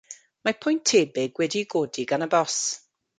Mae pwynt tebyg wedi'i godi gan y bòs.